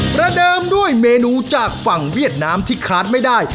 ประเดิมด้วยเมนูจากฝั่งเวียดนามที่คาดไม่ได้